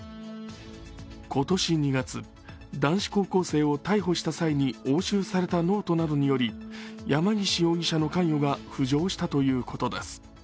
今年２月、男子高校生を逮捕した際に押収されたノートなどにより山岸容疑者の関与が浮上したということです。